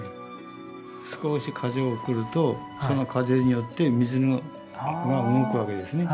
少し風を送るとその風によって水が動くわけですね。